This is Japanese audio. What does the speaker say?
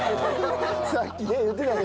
さっきね言ってたね。